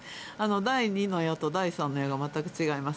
第２の矢と第３の矢が全く違います。